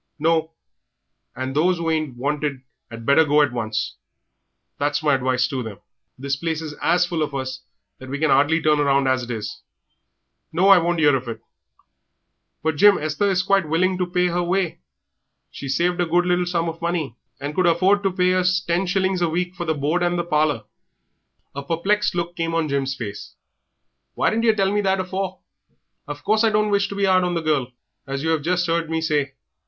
"No. And those who ain't wanted 'ad better go at once that's my advice to them. The place is as full of us that we can 'ardly turn round as it is. No, I won't 'ear of it!" "But, Jim, Esther is quite willing to pay her way; she's saved a good little sum of money, and could afford to pay us ten shillings a week for board and the parlour." A perplexed look came on Jim's face. "Why didn't yer tell me that afore? Of course I don't wish to be 'ard on the girl, as yer 'ave just heard me say.